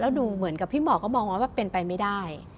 ดูเหมือนกับพี่หมอก็มองว่าเป็นไปไม่ได้